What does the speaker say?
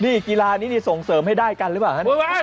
นี่กีฬานี้นี่ส่งเสริมให้ได้กันหรือเปล่าฮะ